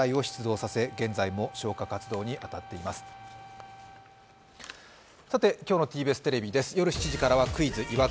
さて今日のＴＢＳテレビです。